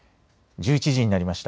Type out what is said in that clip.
１１時になりました。